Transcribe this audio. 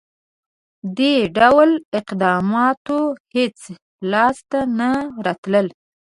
• دې ډول اقداماتو هېڅ لاسته نه راتلل.